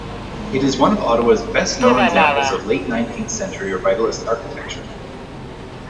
It is one of Ottawa's best known examples of late-nineteenth century revivalist architecture.